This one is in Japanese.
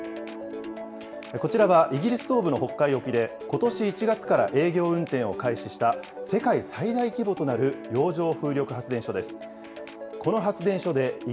こちらはイギリス東部の北海沖でことし１月から営業運転を開始した、世界最大規模となる洋上風力発電所です。